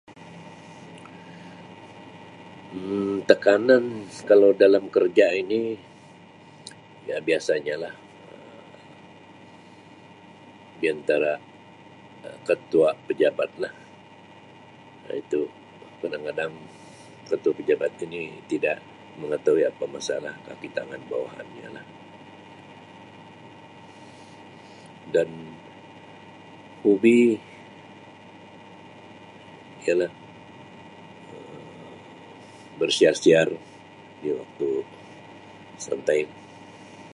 Um Tekanan kalau dalam kerja ini biasanya lah Um diantara Um ketua pejabatlah Um itu, kadang-kadang ketua pejabat ini tidak mengetahui apa masalah kakitangan bawahannya lah dan hobi ialah Um bersiar-siar di waktu santai.